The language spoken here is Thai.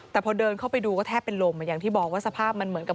แต่พอเดินเข้าไปดูก็แทบเป็นลมอย่างที่บอกว่าสภาพมันเหมือนกับ